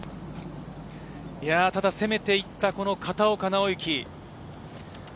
ただ攻めていった片岡尚之。